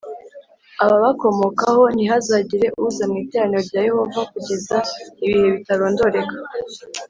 ababakomokaho ntihazagire uza mu iteraniro rya Yehova kugeza ibihe bitarondoreka